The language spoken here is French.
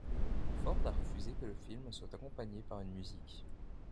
Ford a refusé que le film soit accompagné par une musique.